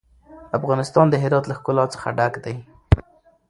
افغانستان د هرات له ښکلا څخه ډک دی.